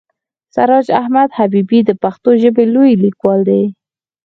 سراج احمد حبیبي د پښتو ژبې لوی لیکوال دی.